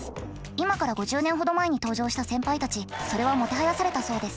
今から５０年ほど前に登場した先輩たちそれはもてはやされたそうです。